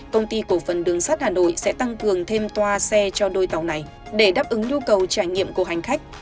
công ty cổ phần đường sắt hà nội sẽ tăng cường thêm toa xe cho đôi tàu này để đáp ứng nhu cầu trải nghiệm của hành khách